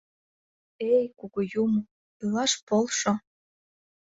Эй, кугу юмо, илаш полшо...